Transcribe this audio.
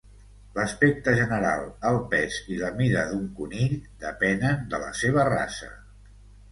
L'aspecte general, el pes i la mida d'un conill depenen de la seva raça.